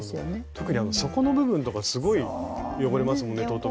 特に底の部分とかすごい汚れますもんね。